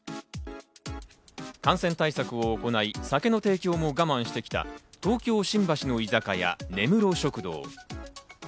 感染対策を行い、酒の提供も我慢してきた、東京・新橋の居酒屋、根室食堂。